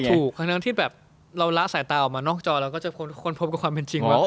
ถูกทั้งนั้นที่แบบเราละสายตาออกมานอกจอเราก็จะค้นพบกับความเป็นจริงว่า